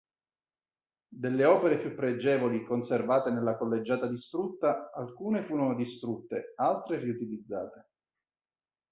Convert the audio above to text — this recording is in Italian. Delle opere più pregevoli conservate nella collegiata distrutta, alcune furono distrutte, altre riutilizzate.